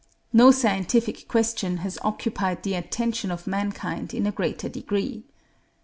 No scientific question has occupied the attention of mankind in a greater degree.